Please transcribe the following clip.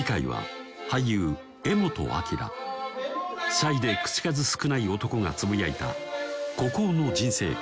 シャイで口数少ない男がつぶやいた孤高の人生観